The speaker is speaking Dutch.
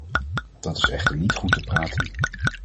Dat is echter niet goed te praten.